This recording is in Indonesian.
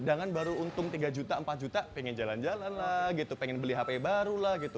jangan baru untung tiga juta empat juta pengen jalan jalan pengen beli hp baru